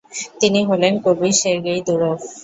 তিনি হলেন কবি সের্গেই দুরভ।